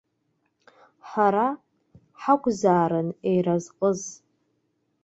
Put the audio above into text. Ҳара ҳакәзаарын еиразҟыз.